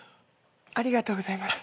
ありがとうございます。